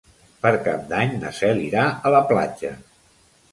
Per Cap d'Any na Cel irà a la platja.